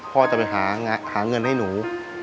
พ่อจะไปหาเงินให้หนู